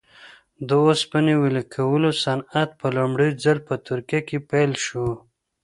د اوسپنې ویلې کولو صنعت په لومړي ځل په ترکیه کې پیل شو.